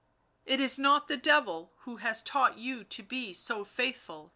"It is not the Devil who has taught you to be so faithful," said Theirry.